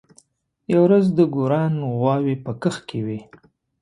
یوه ورځ د ګوروان غواوې په کښت کې وې.